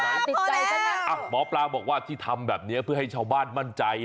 ติดใจใช่ไหมหมอปลาบอกว่าที่ทำแบบนี้เพื่อให้ชาวบ้านมั่นใจ